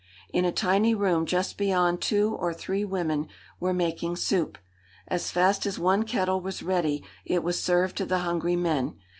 In a tiny room just beyond two or three women were making soup. As fast as one kettle was ready it was served to the hungry men.